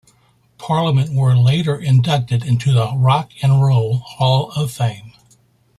Parliament were later inducted into the Rock and Roll Hall of Fame.